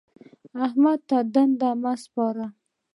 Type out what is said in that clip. احمد ته دنده مه سپارئ.